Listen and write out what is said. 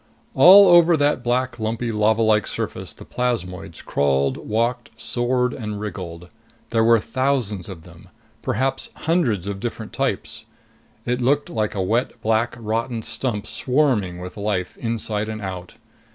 All over that black, lumpy, lavalike surface the plasmoids crawled, walked, soared and wriggled. There were thousands of them, perhaps hundreds of different types. It looked like a wet, black, rotten stump swarming with life inside and out.